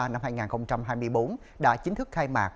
năm hai nghìn hai mươi bốn đã chính thức khai mạc